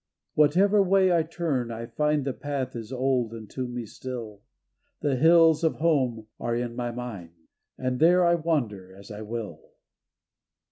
Whatever way I turn I find The path is old unto me still. The hills of home are in my mind. And there I wander as I will.